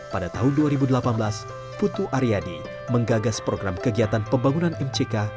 pada tahun dua ribu delapan belas putu aryadi menggagas program kegiatan pembangunan mck